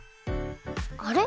あれ？